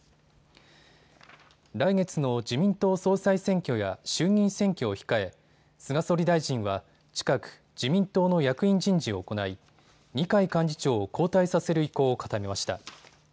来月の自民党総裁選挙や衆議院選挙を控え菅総理大臣は近く、自民党の役員人事を行い二階幹事長を交代させる意向を固めました。